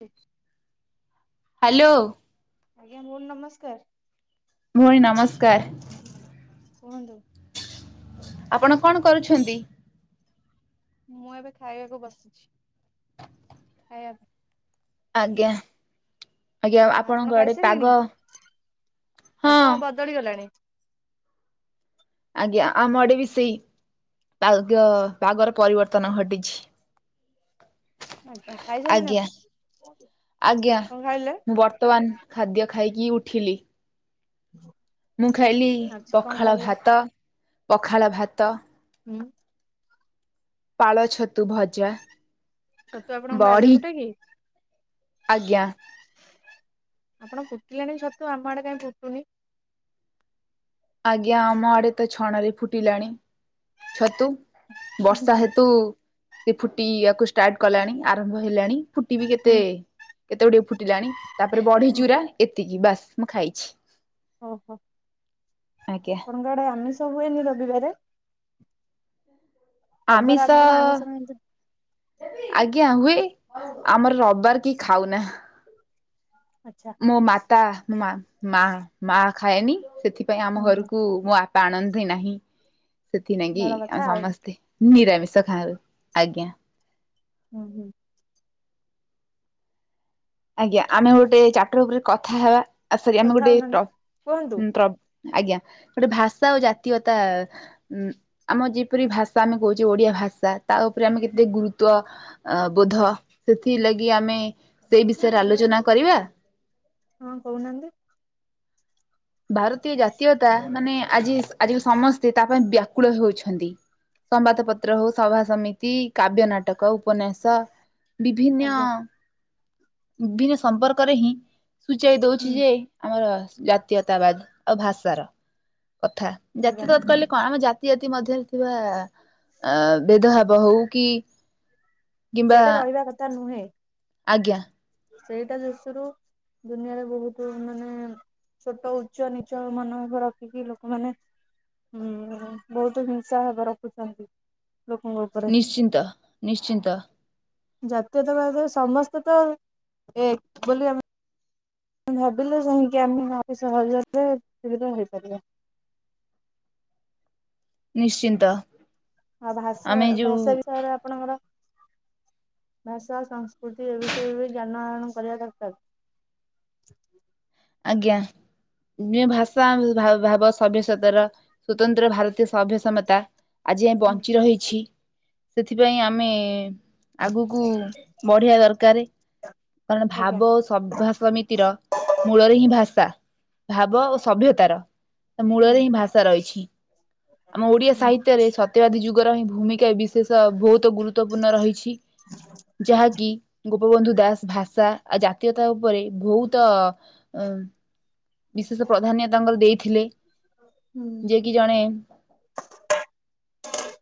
ହ [unintelligible] ହ୍ୟାଲୋ। ଆଜ୍ଞା ଭଉଣୀ ନମସ୍କାର କୁହନ୍ତୁ। ଆପଣ କଣ କରୁଛନ୍ତି? ମୁଁ ଏବେ ଖାଇବାକୁ ବସିଛି। ଖାଇ। [unintelligible] ଆଜ୍ଞା ଆଜ୍ଞା ପାଇଁ ଆପଣ ଆପଣଙ୍କ ଆଡ଼େ ଖାଇସାରିଲେଣି ପାଗ ହଁ। ଡଳିଗଲାଣି। ଆଜ୍ଞା ଆମ ଆଡେ ବି ସେଇ। ପାଗ ପାଗର ପରିବର୍ତ୍ତନ ଘଟିଛି। ଆଜ୍ଞା ଖାଇସାରିଲେଣି ଆଜ୍ଞା ଆପଣ ଆଜ୍ଞା କଣ ଖାଇଲେ ମୁଁ ବର୍ତ୍ତମାନ ଖାଦ୍ୟ ଖାଇକି ଉଠିଲି। ହୁଁ। ମୁଁ ଖାଇଲି ପଖାଳ ଭାତ ପଖାଳ ଭାତ। ହୁଁ। ପାଳ ଛତୁ ଭଜା। ଛତୁ ଆପଣଙ୍କ ବାରିରେ ବଢି ଫୁଟେ କି? ଆଜ୍ଞା। ଆପଣ ଫୁଟିଲାଣି ଛତୁ ଆମ ଆଡେ କାଇଁ ଫୁଟୁନି। ଆଜ୍ଞା ଆମ ଆଡେ ତ ଛଣାରେ ଫୁଟିଲାଣି। ଛତୁ ହୁଁ ବର୍ଷା ହୁଁ ହେତୁ ସେ ଫୁଟିଆକୁ ଷ୍ଟାର୍ଟ କଲାଣି ଆରମ୍ଭ ହେଲାଣି ଫୁଟି ବି କେତେ? ହୁଁ କେତେ ଗୁଡିଏ ଫୁଟିଲାଣି ତାପରେ ବଢି ହୁଁ ଚୁରା ଏତିକି ବାସ୍ ମୁଁ ଖାଇଛି। ଓ ହୋ। ଆଜ୍ଞା। ଆପଣଙ୍କ ଆଡେ ଆମିଷ ହୁଏନି ରବିବାରେ? ରବିବାର ଆମିଶ ଆପଣ ଆମିଷ ଖାଆନ୍ତି ଆଜ୍ଞା ହୁଏ ଆମର ରବିବାର କିଏ ଖାଉ ନା। ଆଚ୍ଛା। ମୋ ମାତା ମା ମା ଖାଏନି ସେଥିପାଇଁ ଆମ ହୁଁ ହୁଁ ଘରକୁ ମୋ ଆଣନ୍ତି ନାହିଁ ସେଥିଲାଗି ଭଲ କଥା ଆଉ ସମସ୍ତେ ନିରାମିଷ ଖାଉ ଆଜ୍ଞା। ଉଁ ହୁ। ଆଜ୍ଞା ଆମେ ଗୋଟେ ଚାପଟର ଉପରେ କଥା ହେବା ଆ ସରି ଆମେ କଥା ଗୋଟେ ହଉନାହାନ୍ତି କୁହନ୍ତୁ ଟ ଆଜ୍ଞା ଗୋଟେ ଭାଷା ଆଉ ଜାତୀୟତା ଉଁ ଆମ ଜିପରି ଭାଷା ଆମେ କହୁଚେ ଓଡ଼ିଆ ଭାଷା ତା ଉପରେ ଆମେ ହୁଁ, କେତେ ଗୁରୁତ୍ୱ ଅ ବୋଧ ସେଥିଲାଗି ଆମେ ସେଇ ବିଷୟରେ ଆଲୋଚନା କରିବା। ହଁ କହୁନାହାନ୍ତି। ଭାରତୀୟ ଜାତୀୟତା ମାନେ ଆଜି ଆଜି ସମସ୍ତେ ତା ପାଇଁ ବ୍ୟାକୁଳ ହେଉଛନ୍ତି। ସମ୍ବାଦ ପତ୍ର ହଉ ସଭା ସମିତି କାବ୍ୟ ନାଟକ ଉପନ୍ୟାସ ତ ବିଭିନ୍ନ ଆଜ୍ଞା ବିଭିନ୍ନ ସମ୍ପର୍କରେ ହିଁ ସୂଚେଇ ଦଉଛି ହୁଁ ଯେ ଆମର ଜାତୀୟତାବାଦ ଆଉ ଭାଷାର କଥା। ଜାତି ଆଜ୍ଞା ତତ କହିଲ କଣ ଆମ ଜାତି ଜାତି ମଧ୍ୟରେ ଥିବା ଅ ଭେଦଭାବ ହଉ କି କିମ୍ବା ସେଇଟା ରହିବା କଥା ନୁହେଁ। ଆଜ୍ଞା। ସେଇଟା ଯଶରୁ ଦୁନିଆରେ ବହୁତ ମାନେ ଛୋଟ ଉଚ୍ଚ ନିଚ ମନ ରଖିକି ଲୋକମାନେ ହୁଁ ବହୁତ ହିଂସା ଭାବ ରଖୁଛନ୍ତି ଲୋକଙ୍କ ଉପରେ। ନିଶ୍ଚିନ୍ତ। ନିଶ୍ଚିନ୍ତ। ଜାତୀୟତାବାଦରେ ସମସ୍ତେ ତ ଏକ ବୋଲି ଆମେ ଭାବିଲୁ ଯାଇଁକି ଆମେ ଅତି ସହଜରେ ସୁବିଧା ହେଇପାରିବା। ନିଶ୍ଚିନ୍ତ। ଆଉ ଭାଷା ଆମେ ଯୋଉ ଭାଷା ବିଷୟରେ ଆ ଆପଣଙ୍କର ଭାଷା ସଂସ୍କୃତି ଏ ବିଷୟରେ ବି ଜ୍ଞାନ ଆହରଣ କରିବା ଦରକାର। ଆଜ୍ଞା। ଭାଷା ଭାବ ସଭ୍ୟସତାର ସ୍ଵତନ୍ତ୍ର ଭାରତୀୟ ସଭ୍ୟସମତା ଆଜି ଆମେ ହୁଁ ବଞ୍ଚି ରହିଛି ସେଥିପାଇଁ ଆମେ ଆଗକୁ ବଢିବା ଦରକାର। କାରଣ ଆଜ୍ଞା ଭାବ ସଭାସମିତି ତିର ମୂଳରେ ହିଁ ଭାଷା। ଭାବ ଓ ସଭ୍ୟତାର ହୁଁ ମୂଳରେ ହିଁ ଭାଷା ରହିଛି। ଆମ ଓଡିଆ ହୁଁ ସାହିତ୍ୟରେ ସତ୍ୟବାଦୀ ଯୁଗର ହିଁ ଭୂମିକା ବିଶେଷ ବହୁତ ଗୁରୁତ୍ୱପୂର୍ଣ୍ଣ ରହିଛି। ଯାହାକି ଗୋପବନ୍ଧୁ ଦାସ ଭାଷା ଆଉ ଜାତୀୟତା ଉପରେ ବହୁତ ଅ ବିଶେଷ ପ୍ରାଧାନ୍ୟ ତାଙ୍କର ଦେଇଥିଲେ। ଯିଏ କି ଜଣେ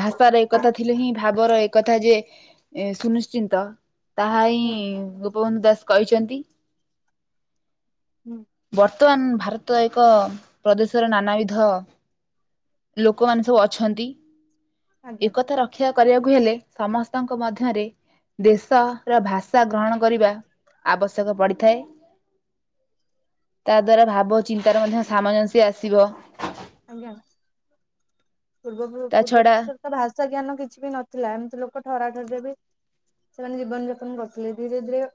ଭାଷାର ଏକଥା ଥିଲେ ହିଁ ଭାବର ଏକତା ଯେ ଏ ସୁନିଶ୍ଚିନ୍ତ ତାହା ହିଁ ହୁଁ ଗୋପବନ୍ଧୁ ଦାସ କହିଛନ୍ତି। ହୁଁ। ବର୍ତ୍ତମାନ୍ ଭାରତ ଏକ ପ୍ରଦେଶର ନାନାବିଧ ଲୋକମାନେ ସବୁ ଅଛନ୍ତି, ଆଜ୍ଞା ଏକତା ର କ୍ଷା କରିବାକୁ ହେଲେ ସମସ୍ତଙ୍କ ମଧ୍ୟରେ ଦେଶର ଭାଷା ଗ୍ରହଣ କରିବା ଆବଶ୍ୟକ ପଡ଼ିଥାଏ। ତା ଦ୍ଵାରା ଭାବ ଚିନ୍ତାର ମଧ୍ୟ ସାମଞ୍ଜସ୍ୟ ଆସିବ। ଆଜ୍ଞା, ପୂର୍ବ [unintelligible] ତା ପୂର୍ବ ଛଡା [unintelligible] ତ ଭାଷା ଜ୍ଞାନ କିଛି ବି ନଥିଲା, ଏମ୍ତି ଲୋକ ଠରା ଠରିରେ ବି ସେମାନେ ଜୀବନ ଯାପନ କରୁଥିଲେ, ଧୀରେ-ଧୀରେ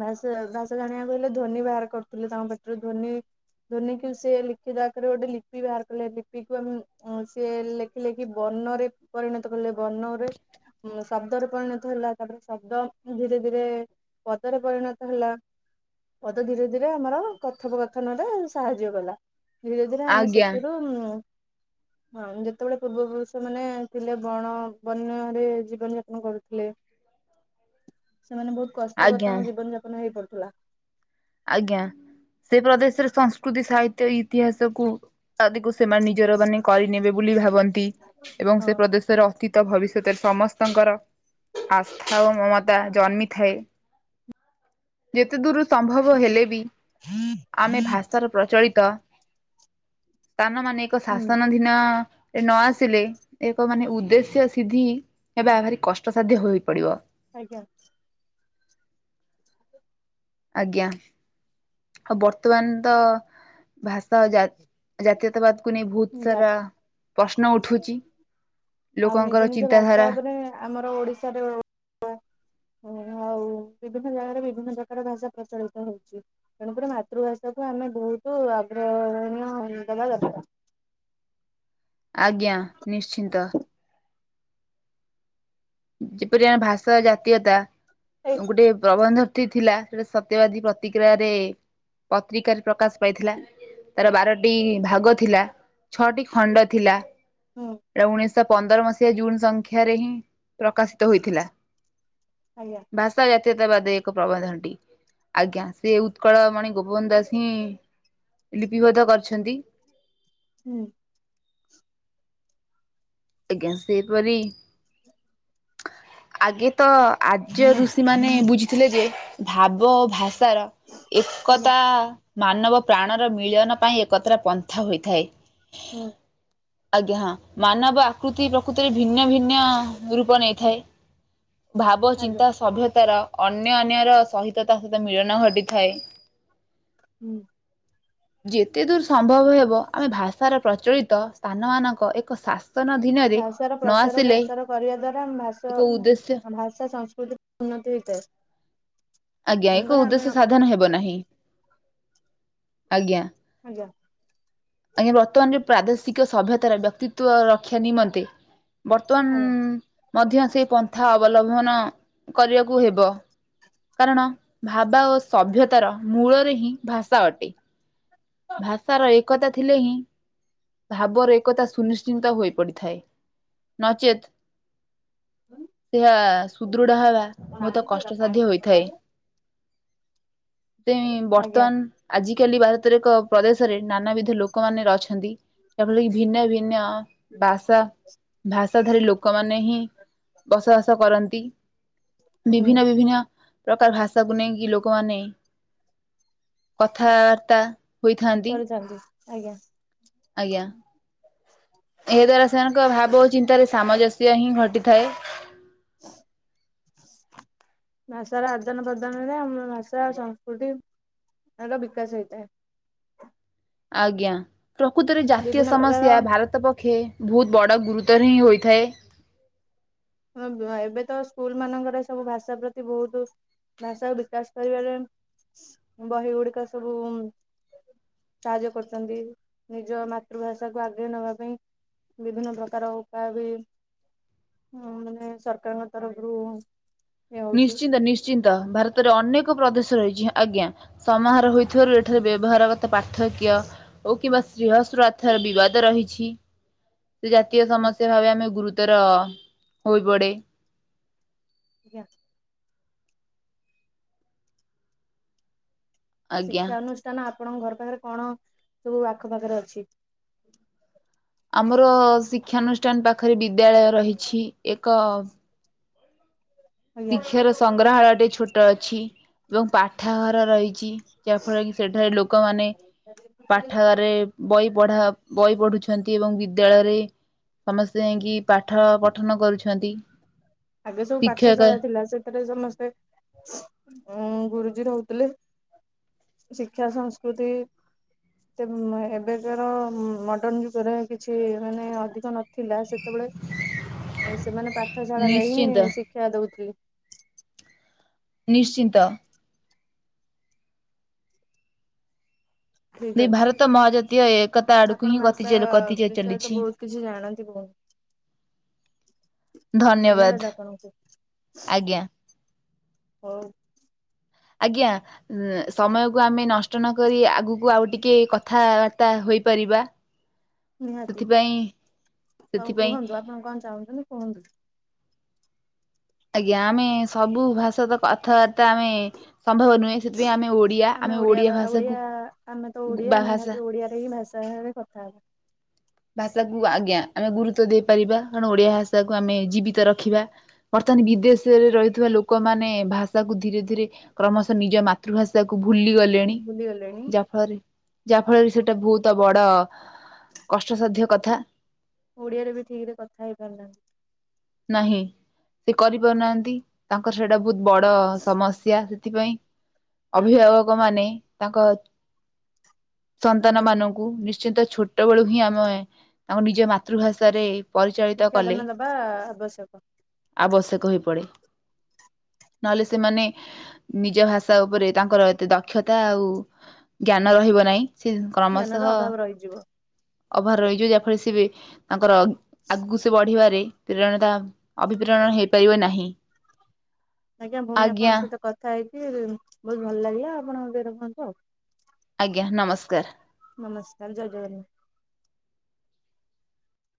ଭାଷା-ଭାଷା ଜାଣିବାକୁ ହେଲେ ଧ୍ୱନି ବାହାର କରୁଥିଲେ ତାଙ୍କ ପାଟିରୁ ଧ୍ୱନି ଧ୍ୱନି କୁ ସେ ଲିଖିତ ଆକାରରେ ଗୋଟେ ଲିପି ବାହାର କଲେ, ଲିପିକୁ ଆମେ ଅଁ ସିଏ ଲେଖି ଲେଖି କି ବର୍ଣ୍ଣରେ ପରିଣତ କଲେ, ବର୍ଣ୍ଣରେ [unintelligible] ଶବ୍ଦରେ ପରିଣତ ହେଲା, ତାପରେ ଶବ୍ଦ ଧୀରେ-ଧୀରେ ପଦରେ ପରିଣତ ହେଲା। ପଦ ଧୀରେ-ଧୀରେ ଆମର କଥୋପକଥନ ରେ ସାହାଯ୍ୟ କଲା, ଧୀରେ-ଧୀରେ ଆମେ ସେ ଆଜ୍ଞା ହଁ ଯେତେବେଳେ ପୂର୍ବ ପୁରୁଷ ମାନେ ଥିଲେ ବଣ ବନ୍ୟରେ ଜୀବନ ଯାପନ କରୁଥିଲେ। ସେମାନେ ବହୁତ୍ କଷ୍ଟକର ଆଜ୍ଞା ତାଙ୍କ ଜୀବନ ଯାପନ ହେଇ ପଡୁଥିଲା। ଆଜ୍ଞା, ସେଇ ପ୍ରଦେଶରେ ସଂସ୍କୃତି ସାହିତ୍ୟ ଇତିହାସକୁ ଆଦିକୁ ସେମାନେ ନିଜର ମାନେ କରିନେବେ ବୋଲି ଭାବନ୍ତି ଏବଂ ହଁ ସେ ପ୍ରଦେଶର ଅତୀ ତ ଭବିଷ୍ୟତରେ ସମସ୍ତଙ୍କର ଆସ୍ଥା ଓ ମମତା ଜନ୍ମିଥାଏ। ଯେତେ ଦୂର୍ ସମ୍ଭବ ହେଲେ ବି ଆମେ ଭାଷାର ପ୍ରଚଳିତ ସ୍ଥାନ [unintelligible] ହୁଁ ଶାସନ ଧୀ ନ, ଏ ନ ଆସିଲେ ଏକ ମାନେ ଉଦ୍ଦେଶ୍ୟ ସିଦ୍ଧି ହେବା ଭାରି କଷ୍ଟସାଧ୍ୟ ହୋଇପଡିବ। ଆଜ୍ଞା। ଆଜ୍ଞା। ଆଉ ବର୍ତ୍ତମାନ୍ ତ ଭାଷା ଜା ଜାତୀୟତାବାଦ୍ କୁ ନେଇ ବହୁତ୍ ଯା ସାରା ପ୍ରଶ୍ନ ଉଠୁଚି, ଆଉ ନିଜ ଲୋକଙ୍କର ନିଜ ଭାଷା ଚିନ୍ତାଧାରା ଉପରେ ଆମର ଓଡିଶାରେ [unintelligible] ଓ ଆଉ ବିଭିନ୍ନ ଜାଗାରେ ବିଭିନ୍ନ ଜାଗାର ଭାଷା ପ୍ରଚଳିତ ହଉଚି। ତେଣୁକରି ମାତୃଭାଷା କୁ ଆମେ ବହୁତୁ ଆଗ୍ରହରଣୀୟ ଦବା ଦରକାର୍। ଆଜ୍ଞା, ନିଶ୍ଚିନ୍ତ। ଯେପରି ଆମେ ଭାଷା ଜାତୀୟତା ଏଇ ଗୋଟେ ପ୍ରବନ୍ଧ [unintelligible] ଥିଲା, ସେଟା ସତ୍ୟବାଦୀ ପ୍ରତିକ୍ରିୟାରେ ପତ୍ରିକାରେ ପ୍ରକାଶ୍ ପାଇଥିଲା। ତାର ବାରଟି ଭାଗ ଥିଲା, ଛଅଟି ଖଣ୍ଡ ଥିଲା। ହଁ। ଏଇଟା ଉଣେଇଶ ପନ୍ଦର ମସିହା ଜୁନ୍ ସଂଖ୍ୟାରେ ହିଁ ପ୍ରକାଶିତ ହୋଇଥିଲା, ଆଜ୍ଞା ବାସ୍ ତା ଜାତୀୟତାବାଦ୍ ଏକ ପ୍ରବନ୍ଧଟି, ଆଜ୍ଞା ସିଏ ଉତ୍କଳମଣି ଗୋପବନ୍ଧୁ ଦାସ୍ ହିଁ ଲିପିବଦ୍ଧ କରିଛନ୍ତି। ହୁଁ। ଆଜ୍ଞା, ସେହିପରି ଆଗେ ତ ଆର୍ଯ୍ୟ ଋଷିମାନେ ବୁଝିଥିଲେ ଯେ ଭାବ ଓ ଭାଷାର ଆଜ୍ଞା ଏକତା ମାନବ ପ୍ରାଣର ମିଳନ ପାଇଁ ଏକତ୍ର ପନ୍ଥା ହୋଇଥାଏ। ହୁଁ ଆଜ୍ଞା ହଁ ମାନବ ଆକୃତି ପ୍ରକୃତିରେ ଭିନ୍ନ ଭିନ୍ନ ରୂପ ନେଇଥାଏ। ଭାବ ଆଜ୍ଞା ଚିନ୍ତା ସଭ୍ୟତାର ଅନ୍ୟ ଅନ୍ୟର ସହିତ ତା ସହିତ ମିଳନ ଘଟିଥାଏ। ହୁଁ ଯେତେ ଦୂର ସମ୍ଭବ ହେବ ଆମେ ଭାଷାର ପ୍ରଚଳିତ ସ୍ଥାନମାନଙ୍କ ଏକ ଶାସ୍ ଭାଷାର ପ୍ରଚାର ପ୍ରସାର କରିବା ଦ୍ୱାରା ଆମ ଏକ ଉଦ୍ଦେଶ୍ୟ ଭାଷ ଭାଷା ସଂସ୍କୃତି ଉନ୍ନତି ହେଇଥାଏ। ଆଜ୍ଞା ଏକ ତେଣୁକରି ଆମେ ଉଦ୍ଦେଶ୍ୟ ସାଧନ ହେବ ନାହିଁ। ଆଜ୍ଞା ଆଜ୍ଞା ଆଜ୍ଞା ବର୍ତ୍ତମାନରେ ପ୍ରାଦେଶିକ ସଭ୍ୟତାର ବ୍ୟକ୍ତିତ୍ବ ରକ୍ଷା ନିମନ୍ତେ ଆଜ୍ଞା। ବର୍ତ୍ତମାନ ମଧ୍ୟ ସେଇ ପନ୍ଥା ଅବଲମ୍ବନ କରିବାକୁ ହେବ। କାରଣ ଭାବା ଓ ସଭ୍ୟତାର ମୂଳରେ ହିଁ ଭାଷା ଅଟେ। ଭାଷାର ଏକତା ଥିଲେ ହିଁ। ଭାବରରେ ଏକତା ସୁନିଶ୍ଚିନ୍ତ ହୋଇ ପଡିଥାଏ। ନଚେତ୍ ଆଜ୍ଞା ସେହା ହୁଁ ସୁଦୃଢ ହେବା ବହୁତ କଷ୍ଟସାଧ୍ୟ ହୋଇଥାଏ। ତ ବର୍ତ୍ତମାନ ଆଜିକାଲି ଭାରତର ଏକ ପ୍ରଦେଶରେ ନାନାବିଧ ଲୋକ ଲୋକମାନେ ଅଛନ୍ତି ଯାହାଫଳରେ କି ଭିନ୍ନ ଭିନ୍ନ ଭାଷା ଭାଷା ଧାରି ଲୋକମାନେ ହିଁ ବସବାସ କରନ୍ତି। ବିଭିନ୍ନ ବିଭିନ୍ନ ପ୍ରକାର ଭାଷାକୁ ନେଇକି ଲୋକମାନେ କଥାବାର୍ତ୍ତା ହୋଇଥାନ୍ତି। କରିଥାନ୍ତି। ଆଜ୍ଞା ଆଜ୍ଞା ଏହା ଦ୍ୱାରା ସେମାନଙ୍କ ଭାବ ଓ ଚିନ୍ତାରେ ସାମଞ୍ଜସ୍ୟ ହିଁ ଘଟିଥାଏ। [unintelligible] ଭାଷାର ଆଦାନ ପ୍ରଦାନରେ ଆମର ଭାଷା ସଂସ୍କୃତି ତାର ବିକାଶ ହୋଇଥାଏ। ଆଜ୍ଞା ପ୍ରକୃତରେ ଜାତୀୟ ବିଭିନ୍ନ ପ୍ରକାର ସମସ୍ୟା ଭାରତ ପକ୍ଷେ ବହୁତ ବଡ଼ ଗୁରୁତର ହିଁ ହୋଇଥାଏ। ଆଶ୍ରାବଣୀୟ ହଁ ଏବେ ତ ସ୍କୁଲମାନଙ୍କରେ ସବୁ ଭାଷା ପ୍ରତି ବହୁତ ଭାଷା ବିକାଶ କରିବାରେ ବହି ଗୁଡିକ ସବୁ ସାହାଯ୍ୟ କରୁଛନ୍ତି ନିଜ ମାତୃଭାଷାକୁ ଆଗେଇ ନବା ପାଇଁ। ବିଭିନ୍ନ ପ୍ରକାର ଉପାୟ ବି ହଁ ମାନେ ସରକାରଙ୍କ ତରଫରୁ ଇଏ ହଉଛି। ନିଶ୍ଚିନ୍ତ ନିଶ୍ଚ ନିଶ୍ଚିନ୍ତ ଭାରତରେ ଅନେକ ପ୍ରଦେଶ ରହିଛି। ଆଜ୍ଞା ସମାହାର ହୋଇଥିବାରୁ ଏଠାରେ ବ୍ୟବହାର କ କଥା ପାର୍ଥକ୍ୟ ଓ କିମ୍ବା ସ୍ନେହସ୍ରଥର ବିବାଦ ରହିଛି ସେ ଜାତୀୟ ସମସ୍ୟା ଭାବେ ଆମେ ଗୁରୁତର ହୋଇ ପଡେ। ଆଜ୍ଞା ଆଜ୍ଞା। ଶିକ୍ଷା ଅନୁଷ୍ଠାନ ଆପଣଙ୍କ ଘର ପାଖରେ କଣ ସବୁ ଆଖ ପାଖରେ ଅଛି? ଆମର ଶିକ୍ଷାନୁଷ୍ଠାନ ପାଖରେ ବିଦ୍ୟାଳୟ ରହିଛି। ଏକ ଆଜ୍ଞା। ଶିକ୍ଷାର ସଂଗ୍ରହାଳୟଟେ ଛୋଟ ଅଛି ଏବଂ ପାଠଘର ରହି ଚି ଯାହା ଫଳରେ କି ସେଠାରେ ଲୋକମାନେ ପାଠାଗାରେ ବହି ପଢା ବହି ପଢୁଛନ୍ତି ଏବଂ ବିଦ୍ୟାଳୟରେ ସମସ୍ତେ ଯାଇକି ପାଠ ପଠନ କରୁଛନ୍ତି। ଆଗେ ସବୁ ପାଠ ଶିକ୍ଷକ ଶାଳା ଥିଲା ସେଥିରେ ସମସ୍ତେ ଉଁ ଗୁରୁଜୀ ରହୁଥିଲେ। ଶିକ୍ଷା ସଂସ୍କୃତି ତେଵ ମେ ଏବେକାର ମଡର୍ଣ ଯୁଗରେ କିଛି ମାନେ ଅଧିକ ନ ଥିଲା ସେତେବେଳେ ଆଉ ସେମାନେ ପାଠଶାଳାରେ ନିଶ୍ଚିନ୍ତ ହିଁ ଶିକ୍ଷା ଦଉଥିଲେ। ନିଶ୍ଚିନ୍ତ। ଠିକ ଦି ଅଛି ଭାରତ ମହାଜାତୀୟ ଏକତା ଆଡ଼କୁ ଆପଣ ହିଁ ଗତି ଭାଷା [unintelligible] ଗତି କରି ବିଷୟରେ ତ ଚାଲିଛି। ବହୁତ କିଛି ଜାଣନ୍ତି ଭଉଣୀ ଧନ୍ୟବାଦ ଆଜ୍ଞା। ହଉ। ଆଜ୍ଞା। ଉ ସମୟକୁ ଆମେ ନଷ୍ଟ ନକରି ଆଗକୁ ଆଉ ଟିକେ କଥାବାର୍ତ୍ତା ହୋଇପାରିବା। ହ [inaudible] ନିହାତି କଣ ସେଥିପାଇଁ କୁହନ୍ତୁ ଆପଣ କଣ ଚାହୁଁଛନ୍ତି କୁହନ୍ତୁ? ଆଜ୍ଞା ଆମେ ସବୁ ଭାଷା ତ କଥାବାର୍ତ୍ତା ଆମେ ସମ୍ଭବ ନୁହେଁ। ସେଥିପାଇଁ ଆମେ ଓଡ଼ିଆ ଆମେ ଓଡିଆ ଓଡ଼ିଆ ବା ଭାଷାକୁ ଓଡିଆ ଆମେ ତ ବା ଓଡିଆ ଭାଷା ନିହାତି ଓଡିଆରେ ହିଁ ଭାଷା ରେ କ ହୁଁ। ଭାଷାକୁୁ ଆଜ୍ଞା ଆମେ ଗୁରୁତ୍ବ ଦେଇପାରିବା କାରଣ ଓଡିଆ ଭାଷାକୁ ଆମେ ଜୀବିତ ରଖିବା। ବର୍ତ୍ତମାନ ହୁଁ ବିଦେଶ ର ରେ ରହିଥିବା ଲୋକମାନେ ଭାଷାକୁ ଧୀରେ ଧୀରେ କ୍ରମଶଃ ନିଜ ମାତୃଭାଷାକୁ ଭୁଲି ଗଲ ଲେଣି ଭୁଲିଗଲେଣି ଯାହା ଫଳରେ ଯାହା ଫଳରେ ସେଟା ବହୁତ ବଡ କଷ୍ଟସାଧ୍ୟ କଥା। ଓଡ଼ିଆରେ ବି ଠିକ ରେ କଥା ହେଇପାରୁନାହାନ୍ତି। ନାହିଁ ସେ କରିପାରୁନାହାନ୍ତି। ତାଙ୍କର ସେଇଟା ବହୁତ ବଡ ସମସ୍ୟା ସେଥିପାଇଁ। ଅଭିଭାବକ ମାନେ ତାଙ୍କ ଆଜ୍ଞା। ସନ୍ତାନମାନଙ୍କୁ ଖୁବ ନିଶ୍ଚିନ୍ତ ଛୋଟ ବେଳୁ ହିଁ ଆମେ ଆମ ନିଜ ମାତୃଭାଷାରେ ପରିଚାଳିତ କଲେ ଶିକ୍ଷାଦାନ ଦବା ଆବଶ୍ୟକ। ଆବଶ୍ୟକ ହୋଇ ପଡେ ନହେଲେ ସେମାନେ ନିଜ ଭାଷା ଉପରେ ତାଙ୍କର ଏତେ ଦକ୍ଷତା ଆଉ ଜ୍ଞାନ ରହିବ ନାହିଁ। ସେ ଜ୍ଞାନର କ୍ରମଶଃ ଅଭାବ ରହିଯିବ। ଅଭାର ରହିଯିବ ଯାହାଫଳରେ ସିଏ ବି ତାଙ୍କର ଆଗକୁ ସେ ବଢିବାରେ ପ୍ରେରଣତା ଅଭିପ୍ରେରଣ ହେଇପାରିବ ନାହିଁ। ଆଜ୍ଞା ଭଉଣୀ ଆପଣଙ୍କ ସହିତ କଥା ହେଇକି ବହୁତ ଭଲ ଲାଗିଲା ଆପଣ ଏବେ ରଖନ୍ତୁ ଆଉ। ଆଜ୍ଞା ନମସ୍କାର। ନମସ୍କାର ଜୟ ଜଗନ